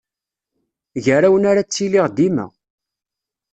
Gar-awen ara ttiliɣ dima.